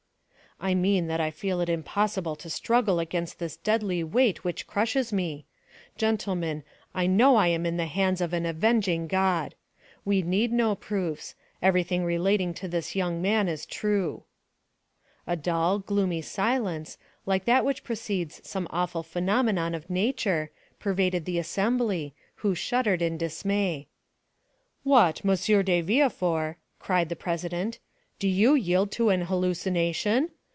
"I mean that I feel it impossible to struggle against this deadly weight which crushes me. Gentlemen, I know I am in the hands of an avenging God! We need no proofs; everything relating to this young man is true." A dull, gloomy silence, like that which precedes some awful phenomenon of nature, pervaded the assembly, who shuddered in dismay. "What, M. de Villefort," cried the president, "do you yield to an hallucination?